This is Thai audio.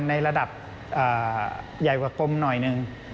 ในระดับใหญ่กว่ากลมหน่อยหนึ่ง